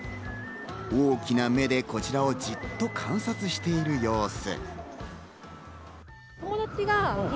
大きな目でこちらをじっと観察している様子。